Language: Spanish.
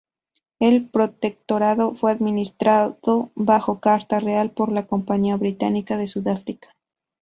El protectorado fue administrado bajo carta real por la Compañía Británica de Sudáfrica.